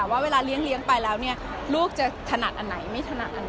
แต่ว่าเวลาเลี้ยงเลี้ยงไปแล้วเนี่ยลูกจะถนัดอันไหนไม่ถนัดอันไหน